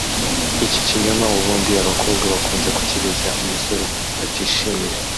iki kinyoma ubundi abakobwa bakunze kukibeshya umusore batishimira